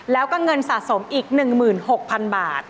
แล้วก็เงินสะสมอีก๑๖๐๐๐บาท